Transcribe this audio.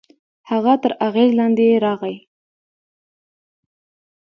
هغه تر اغېز لاندې يې راغی.